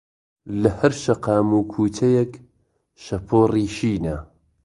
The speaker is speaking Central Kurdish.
لەهەر شەقام و کووچەیەک شەپۆڕی شینە